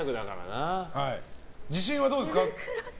自信はどうですか？